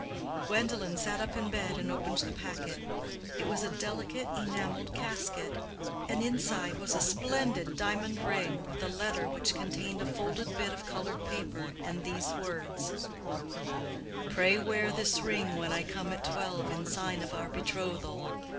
Gwendolen sat up in bed and opened the packet. It was a delicate enameled casket, and inside was a splendid diamond ring with a letter which contained a folded bit of colored paper and these words: Pray wear this ring when I come at twelve in sign of our betrothal.